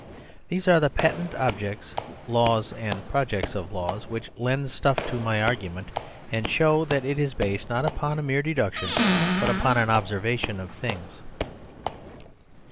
These are the patent objects, "laws and projects of laws," which lend stuff to my argument, and show that it is based not upon a mere deduction, but upon an observation of things.